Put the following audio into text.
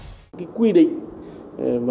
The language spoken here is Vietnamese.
các doanh nghiệp việt đang đặt hàng trung quốc